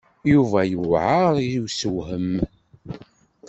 Yuba yewɛeṛ i ussewhem.